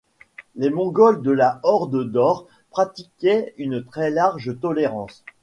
Les Mongols de la Horde d'or pratiquaient une très large tolérance.